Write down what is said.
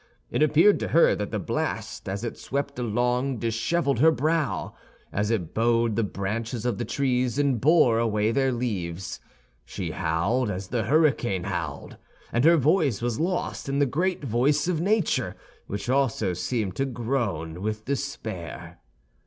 It appeared to her that the blast as it swept along disheveled her brow, as it bowed the branches of the trees and bore away their leaves. She howled as the hurricane howled; and her voice was lost in the great voice of nature, which also seemed to groan with despair.